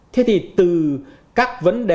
thế thì từ các vấn đề